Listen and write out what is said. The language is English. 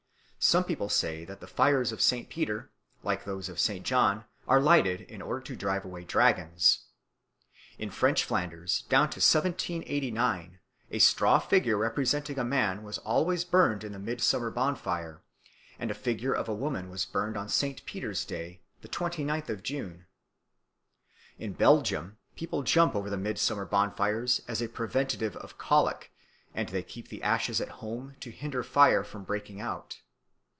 Some people say that the fires of St. Peter, like those of St. John, are lighted in order to drive away dragons. In French Flanders down to 1789 a straw figure representing a man was always burned in the midsummer bonfire, and the figure of a woman was burned on St. Peter's Day, the twenty ninth of June. In Belgium people jump over the midsummer bonfires as a preventive of colic, and they keep the ashes at home to hinder fire from breaking out.